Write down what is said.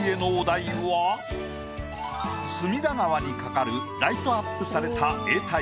隅田川に架かるライトアップされた。